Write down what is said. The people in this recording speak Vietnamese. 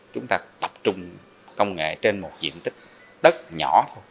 chúng ta tập trung công nghệ trên một diện tích đất nhỏ thôi